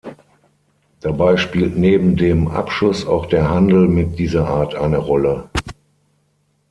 Dabei spielt neben dem Abschuss auch der Handel mit dieser Art eine Rolle.